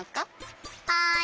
はい！